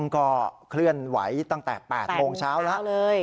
ก็เคลื่อนไหวตั้งแต่๘โมงเช้าแล้ว